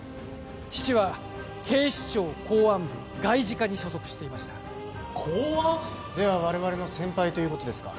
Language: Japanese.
父は警視庁公安部外事課に所属していました公安？では我々の先輩ということですか？